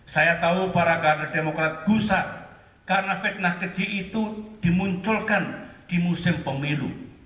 saya tahu para kader demokrat gusar karena fitnah keji itu dimunculkan di musim pemilu